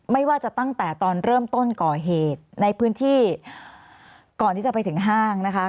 ไม่ว่าจะตั้งแต่ตอนเริ่มต้นก่อเหตุในพื้นที่ก่อนที่จะไปถึงห้างนะคะ